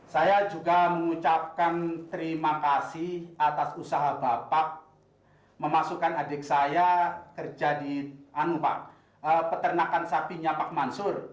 saya juga mengucapkan terima kasih atas usaha bapak memasukkan adik saya kerja di peternakan sapinya pak mansur